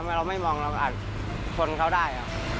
เราไม่มองเราก็อาจทนเขาได้